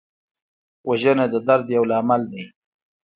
وژنه د درد یو لامل دی